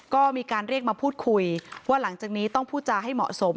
ก็มีการเรียกมาพูดคุยว่าหลังจากนี้ต้องพูดจาให้เหมาะสม